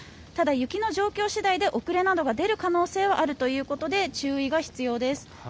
ただ、雪の状況次第で遅れなどが出る可能性はあるということで注意が必要です。